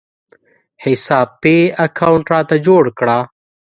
حساب پې اکاونټ راته جوړ کړه